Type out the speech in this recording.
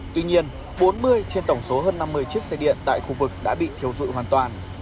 tuy nhiên bốn mươi trên tổng số hơn năm mươi chiếc xe điện tại khu vực đã bị thiêu dụi hoàn toàn